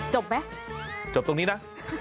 จบไหมจบตรงนี้นะ